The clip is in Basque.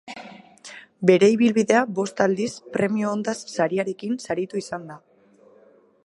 Bere ibilbidea bost aldiz Premio Ondas sariarekin saritu izan da.